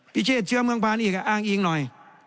พิเชษเชื้อเมืองพานอีกอ้างอิงหน่อย